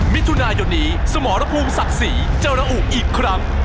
มิถุนายนนี้สมรภูมิศักดิ์ศรีจะระอุอีกครั้ง